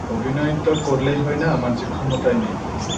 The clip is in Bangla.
অভিনয় তো করলেই হয় না– আমার যে ক্ষমতাই নেই।